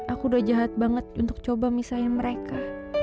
aku udah jahat banget untuk coba misahin mereka